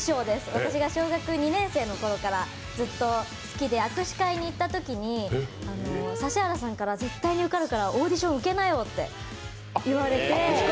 私が小学２年生のころからずっと好きで、握手会に行ったときに指原さんから絶対に受かるからオーディション受けなよって言われて。